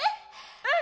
うん！